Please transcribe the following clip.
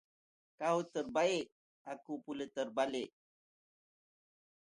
Kau terbaik! aku pulak terbalik.